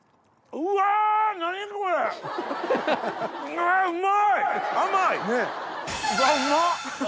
うわうまっ！